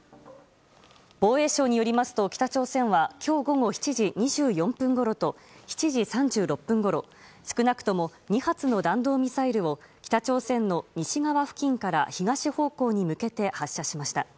防衛省によりますと、北朝鮮は今日午後７時２４分ごろと７時３６分ごろ少なくとも２発の弾道ミサイルを北朝鮮の西側付近から東方向に向けて発射しました。